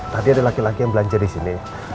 tadi ada laki laki yang belanja disini